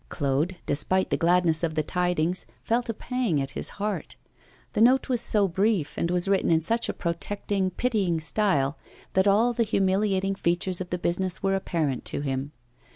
Claude, despite the gladness of the tidings, felt a pang at his heart; the note was so brief, and was written in such a protecting, pitying style, that all the humiliating features of the business were apparent to him.